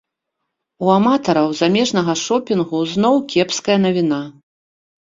У аматараў замежнага шопінгу зноў кепская навіна.